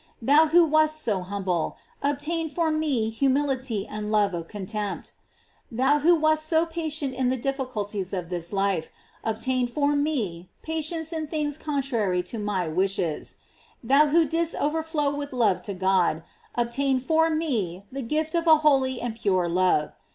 Thou who wast so humble, obtain for me humility and love of contempt. Thou who wast so patient in the difficulties of this life, ob tain for me patience in things contrary to my wish es. Thou who didst overflow with love to God, obtain forme the gift of a holy and pure love.